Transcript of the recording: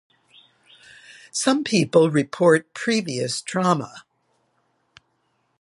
Some people report previous trauma.